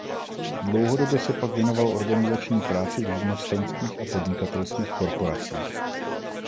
Dlouhodobě se pak věnoval organizační práci v živnostenských a podnikatelských korporacích.